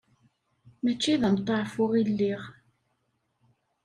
Mačči d ameṭṭaɛfu i lliɣ.